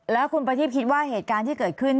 แล้วคุณประทีพคิดว่าเหตุการณ์ที่เกิดขึ้น